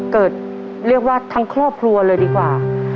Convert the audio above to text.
เกิดเรียกว่าทั้งครอบครัวเลยดีกว่า